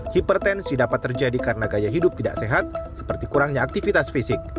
hipertensi dapat terjadi karena gaya hidup tidak sehat seperti kurangnya aktivitas fisik